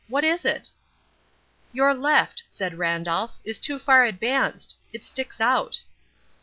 What is it?" "Your left," said Randolph, "is too far advanced. It sticks out."